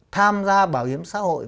tham gia bảo hiểm xã hội